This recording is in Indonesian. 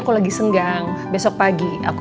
entah apa ngapain